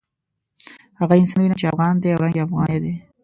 هغه انسان وینم چې افغان دی او رنګ یې افغاني دی.